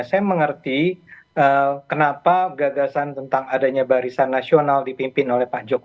saya mengerti kenapa gagasan tentang adanya barisan nasional dipimpin oleh pak jokowi